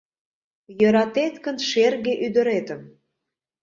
Йӧратет гын шерге ӱдыретым